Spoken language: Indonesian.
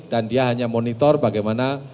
dan dia hanya monitor bagaimana